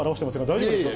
大丈夫ですか？